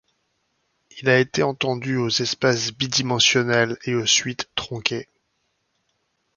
Il a été étendu aux espaces bidimensionnels et aux suites tronquées.